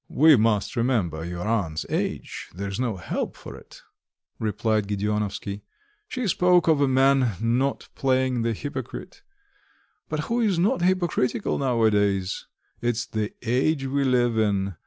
"We must remember your aunt's age...there's no help for it," replied Gedeonovsky. "She spoke of a man not playing the hypocrite. But who is not hypocritical nowadays? It's the age we live in.